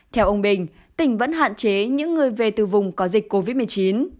theo ông bình tỉnh vẫn hạn chế những người về từ vùng có dịch covid một mươi chín